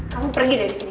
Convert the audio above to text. kamu pergi dari sini